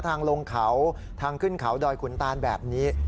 ทางลงเขาทางขึ้นเขาดอยขุนตานแบบนี้